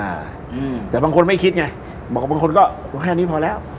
อืมแต่บางคนไม่คิดไงบอกว่าบางคนก็แค่นี้พอแล้ว